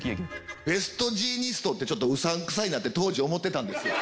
ベストジーニストってちょっとうさんくさいなって当時思ってたんですよ。